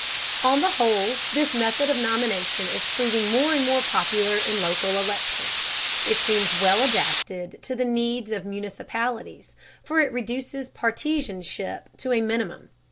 On the whole this method of nomination is proving more and more popular in local elections. It seems well adapted to the needs of municipalities, for it reduces partisanship to a minimum.